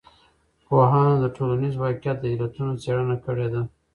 پوهانو د ټولنیز واقعیت د علتونو څېړنه کړې ده.